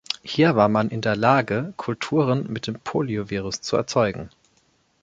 Hier war man in der Lage, Kulturen mit dem Poliovirus zu erzeugen.